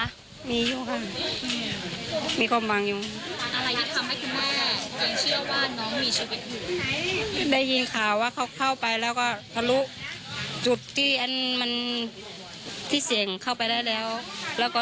คือเจ้าหน้าที่ได้มีการรายงานให้คุณแม่ฟังเป็นระยะใช่ไหมคะ